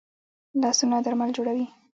لاسونه درمل جوړوي